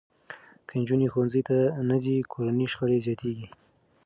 که نجونې ښوونځي ته نه ځي، کورني شخړې زیاتېږي.